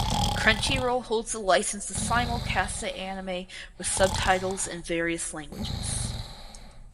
Crunchyroll holds the license to simulcast the anime with subtitles in various languages.